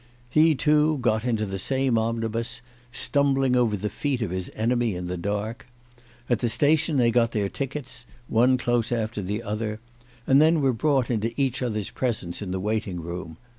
He, too, got into the same omnibus, stumbling over the feet of his enemy in the dark. At the station they got their tickets, one close after the other, and then were brought into each other's presence in the waiting room.